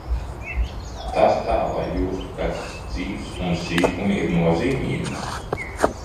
Tas tā, lai justu, ka dzīvs un sīkumi ir nozīmīgi?...